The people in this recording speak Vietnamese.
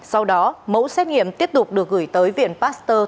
sau đó mẫu xét nghiệm tiếp tục được gửi tới viện pasteur